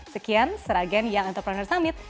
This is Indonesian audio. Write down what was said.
sekian seragam young entrepreneurs summit